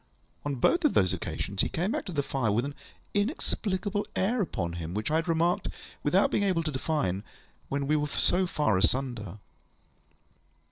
On both of those occasions, he came back to the fire with the inexplicable air upon him which I had remarked, without being able to define, when we were so far asunder.